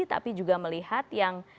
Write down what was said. tapi juga melihat yang